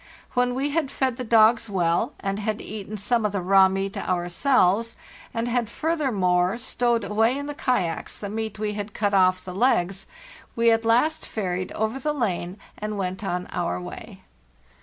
When we had fed the dogs well, and had eaten some of the raw meat ourselves, and had furthermore stowed away in the kayaks the meat we had cut off LAND AL, LAST 333 the legs, we at last ferried over the lane and went on our Way.